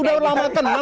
kita sudah lama kan